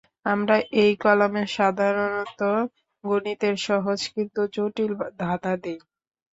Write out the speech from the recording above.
আমরা এই কলামে সাধারণত গণিতের সহজ কিন্তু জটিল ধাঁধা দিই।